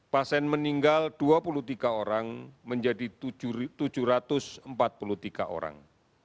pasien meninggal dua puluh tiga orang menjadi tujuh ratus empat puluh tiga orang